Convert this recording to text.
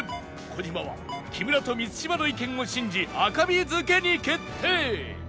児嶋は木村と満島の意見を信じ赤身漬けに決定